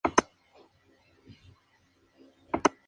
Ricardo Zamora Quiñonez y Lic.